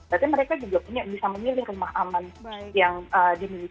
berarti mereka juga punya bisa memilih rumah aman yang dimiliki